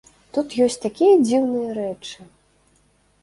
Тут ёсць такія дзіўныя рэчы!